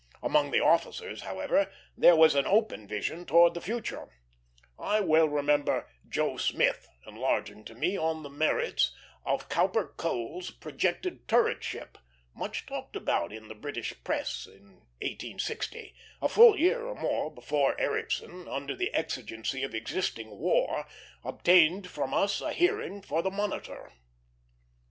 Among the officers, however, there was an open vision towards the future. I well remember "Joe" Smith enlarging to me on the merits of Cowper Coles's projected turret ship, much talked about in the British press in 1860; a full year or more before Ericsson, under the exigency of existing war, obtained from us a hearing for the Monitor.